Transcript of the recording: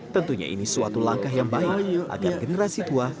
tentunya ini suatu langkah yang baik agar generasi tua